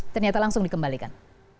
ternyata langsung dikembalikan